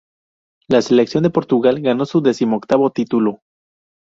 La selección de Portugal ganó su decimoctavo título.